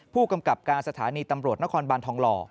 ผู้กำกับการสถานีตำรวจนครบานทองหล่อ